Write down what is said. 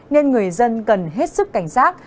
nên người dân cần hết sức cảnh giác